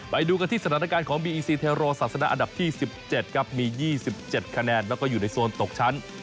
ไปดูกันที่สถานการณ์ของบีอีซีเทโรศาสนาอันดับที่๑๗ครับมี๒๗คะแนนแล้วก็อยู่ในโซนตกชั้น